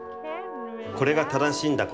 これが正しいんだ。